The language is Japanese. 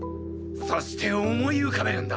そして思い浮かべるんだ。